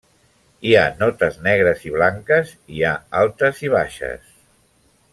Hi ha notes negres i blanques, i hi ha altes i baixes.